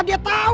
la dia tawa